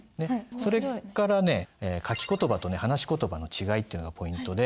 それからね書き言葉とね話し言葉の違いっていうのがポイントで。